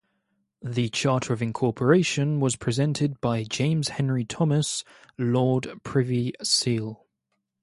The charter of incorporation was presented by James Henry Thomas, Lord Privy Seal.